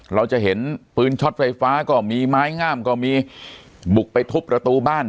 เราจะเห็นปืนช็อตไฟฟ้าก็มีไม้งามก็มีบุกไปทุบประตูบ้าน